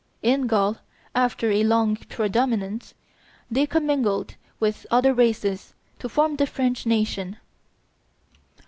In Gaul, after a long predominance, they commingled with other races to form the French nation.